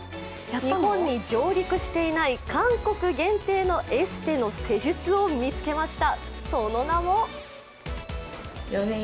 日本に上陸していない韓国限定のエステの施術を見つけました。